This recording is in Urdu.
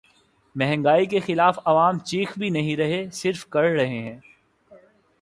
مہنگائی کے خلاف عوام چیخ بھی نہیں رہے‘ صرف کڑھ رہے ہیں۔